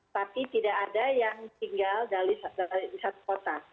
tapi tidak ada yang tinggal di satu kota